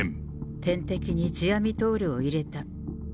点滴にヂアミトールを入れた。